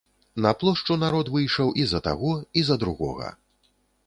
На плошчу народ выйшаў і за таго, і за другога.